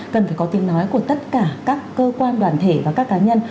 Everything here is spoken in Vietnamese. cần phải có tiếng nói của tất cả các cơ quan đoàn thể và các cá nhân